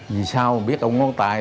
vì sao biết ổng ngón tay